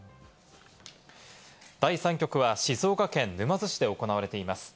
第３局は静岡県沼津市で行われています。